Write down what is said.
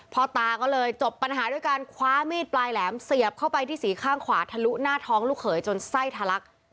พ่อตาก็เลยจบปัญหาด้วยการคว้ามีดปลายแหลมเสียบเข้าไปที่สีข้างขวาทะลุหน้าท้องลูกเขยจนไส้ทะลัก